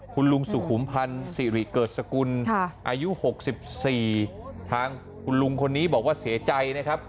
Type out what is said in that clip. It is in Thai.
คุณลุงสุขุมพันธ์สิริเกิดสกุลอายุ๖๔ทางคุณลุงคนนี้บอกว่าเสียใจนะครับ